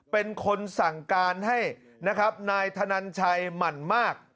เป็นคนสั่งการให้นะครับนายธนันชัยหมั่นมาก